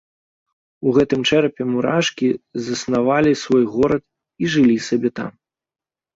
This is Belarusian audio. У гэтым чэрапе мурашкі заснавалі свой горад і жылі сабе там.